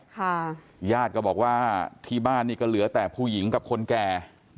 ญาติก็บอกว่าที่บ้านนี่ก็เหลือแต่ผู้หญิงกับคนแก่